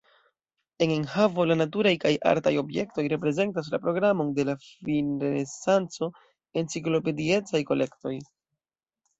En enhavo la naturaj kaj artaj objektoj reprezentas la programon de la finrenesanco-enciklopediecaj kolektoj.